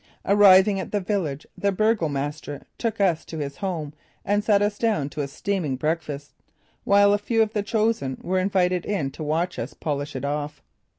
Arriving at the village the burgomaster took us to his home and sat us down to a steaming breakfast, while a few of the chosen were invited in to watch us polish it off.